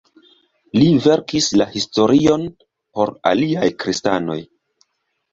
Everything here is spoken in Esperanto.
Li verkis la historion por aliaj kristanoj.